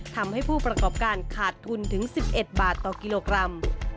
ทำให้ผู้ประกอบการขาดทุนถึง๑๑บาทต่อกิโลกรัม